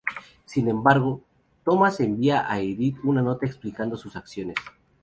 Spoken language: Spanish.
Sin embargo, Thomas envía a Edith una nota explicando sus acciones.